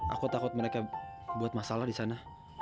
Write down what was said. aku takut mereka buat masalah di sana